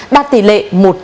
đạt tỷ lệ một trăm linh